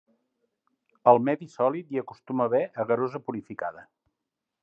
Al medi sòlid hi acostuma a haver agarosa purificada.